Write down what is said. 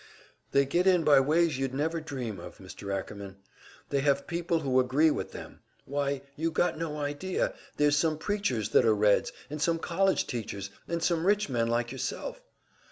"They get in by ways you'd never dream of, Mr. Ackerman. They have people who agree with them. Why, you got no idea, there's some preachers that are Reds, and some college teachers, and some rich men like yourself."